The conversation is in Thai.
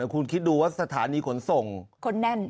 คุณคิดดูว่าสถานีขนส่งคนแน่น